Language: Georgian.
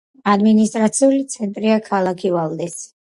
ადმინისტრაციული ცენტრია ქალაქი ვალდესი.